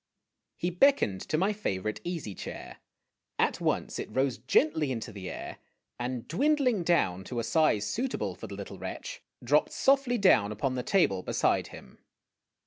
He beckoned to my favorite easy chair. At once it rose gently into the air, and, dwindling down to a size suitable for the little wretch, dropped softly down upon the table beside him.